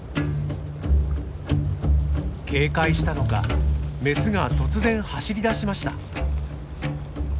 警戒したのかメスが突然走り出しました。